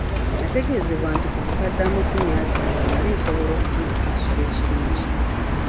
Nategeezebwa nti ku bukadde amakumi ataano nali nsobola okufuna ekifo ekirungi.